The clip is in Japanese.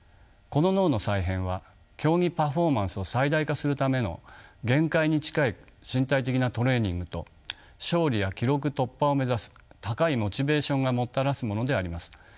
この脳の再編は競技パフォーマンスを最大化するための限界に近い身体的なトレーニングと勝利や記録突破を目指す高いモチベーションがもたらすものであります。